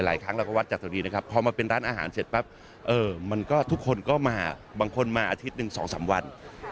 ครั้งเราก็วัดจัดตรงนี้นะครับพอมาเป็นร้านอาหารเสร็จปั๊บเออมันก็ทุกคนก็มาบางคนมาอาทิตย์หนึ่งสองสามวัน